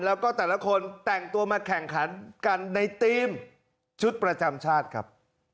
แล้วก็แต่ละคนแต่งตัวมาแข่งขันกันในทีมชุดประจำชาติครับ